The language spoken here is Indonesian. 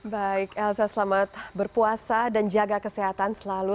baik elsa selamat berpuasa dan jaga kesehatan selalu